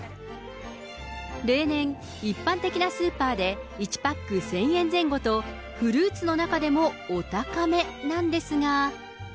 例年、一般的なスーパーで１パック１０００円前後と、フルーツの中でもお高めなんですが。